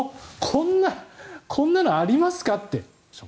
こんなのありますかって。